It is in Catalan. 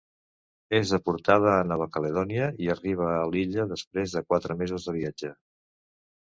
És deportada a Nova Caledònia i arriba a l'illa després de quatre mesos de viatge.